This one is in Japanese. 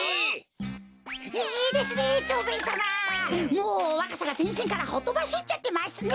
もうわかさがぜんしんからほとばしっちゃってますね。